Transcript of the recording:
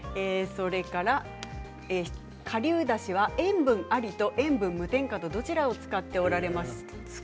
かりゅうだしは塩分ありと、塩分無添加どちらを使っていますか？